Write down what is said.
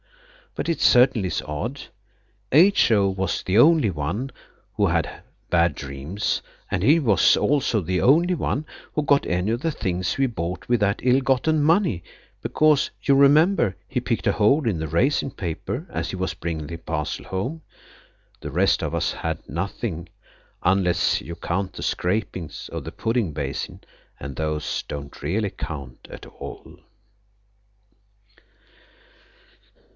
But it certainly is odd. H.O. was the only one who had bad dreams, and he was also the only one who got any of the things we bought with that ill gotten money, because, you remember, he picked a hole in the raisin paper as he was bringing the parcel home. The rest of us had nothing, unless you count the scrapings of the pudding basin, and those don't really count at all.